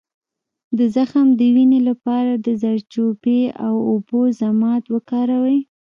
د زخم د وینې لپاره د زردچوبې او اوبو ضماد وکاروئ